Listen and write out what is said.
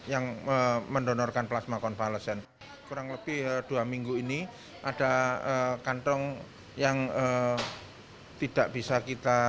yang mendonorkan plasma konvalesen kurang lebih dua minggu ini ada kantong yang tidak bisa kita